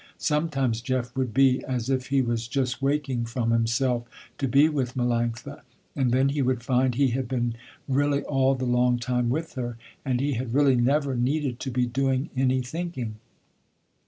Sometimes Jeff would be, as if he was just waking from himself to be with Melanctha, and then he would find he had been really all the long time with her, and he had really never needed to be doing any thinking.